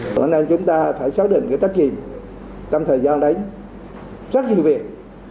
cho nên chúng ta phải xác định cái trách nhiệm trong thời gian đấy rất nhiều việc